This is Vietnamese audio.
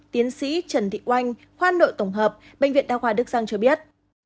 tiến sĩ trần thị oanh khoan đội tổng hợp bệnh viện đa khoa đức giang cho biết